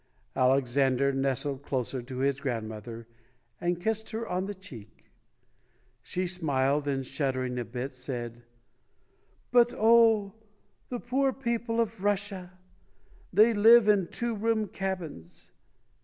Alexander nestled closer to his grand mother and kissed her on the cheek. She smiled and, shuddering a bit, said: "But oh, the poor people of Russia ! They live in two room cabins.